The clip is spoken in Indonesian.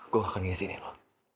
gue akan ngasih ini lo